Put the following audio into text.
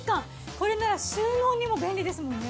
これなら収納にも便利ですもんね。